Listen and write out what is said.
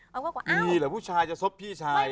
มันก็บอกว่าอ้าวมีเหรอผู้ชายจะโซฟพี่ชาย